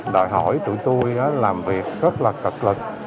đòi hỏi tụi tui đó làm việc rất là cực lực